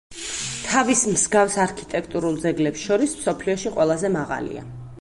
თავის მსგავს არქიტექტურულ ძეგლებს შორის მსოფლიოში ყველაზე მაღალია.